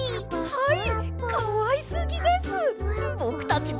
はい！